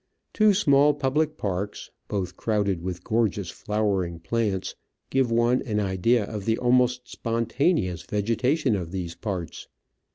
Two small public parks, both crowded with gorgeous flowering plants, give one an idea of the almost spontaneous vegetation of these parts.